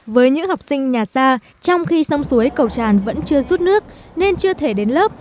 với những học sinh nhà xa trong khi sông suối cầu tràn vẫn chưa rút nước nên chưa thể đến lớp